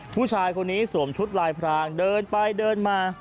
ผู้ชายคนนี้สวมชุดลายพรางเดินไปเดินมา